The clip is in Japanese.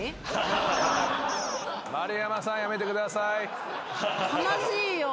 丸山さんやめてください。